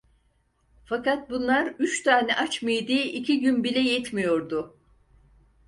Fakat bunlar, üç tane aç mideye iki gün bile yetmiyordu…